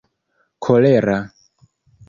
kolera